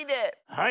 はい。